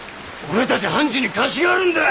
俺たち半次に貸しがあるんだ！